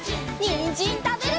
にんじんたべるよ！